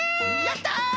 やった！